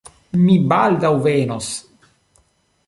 Mi baldaŭ venos.